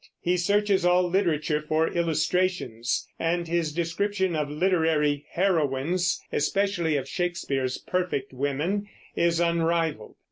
He searches all literature for illustrations, and his description of literary heroines, especially of Shakespeare's perfect women, is unrivaled.